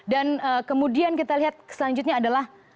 dan kemudian kita lihat selanjutnya adalah